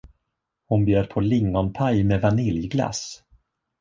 Hon bjöd på lingonpaj med vaniljglass.